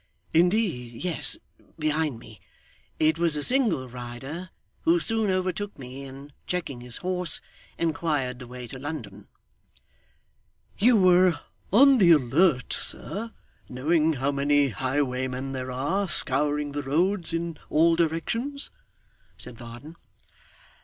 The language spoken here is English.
'Indeed, yes behind me. It was a single rider, who soon overtook me, and checking his horse, inquired the way to London.' 'You were on the alert, sir, knowing how many highwaymen there are, scouring the roads in all directions?' said Varden.